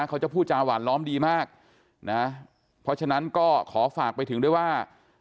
เขาจะพูดจาหวานล้อมดีมากนะเพราะฉะนั้นก็ขอฝากไปถึงด้วยว่า